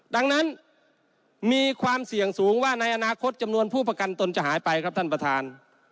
ดังนั้นมีความเสี่ยงสูงว่าในอนาคตจำนวนผู้ประกันตนจะหายไปครับท่านประธาน